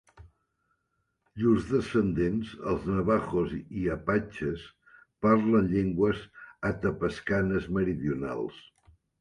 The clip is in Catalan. Llurs descendents, els navahos i apatxes, parlen llengües atapascanes meridionals.